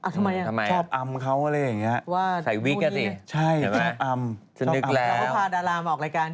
ทำไมทำไม